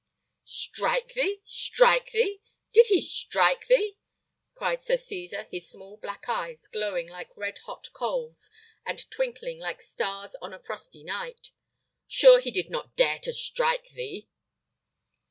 "Strike thee! strike thee! Did he strike thee?" cried Sir Cesar, his small black eyes glowing like red hot coals, and twinkling like stars on a frosty night. "Sure he did not dare to strike thee?"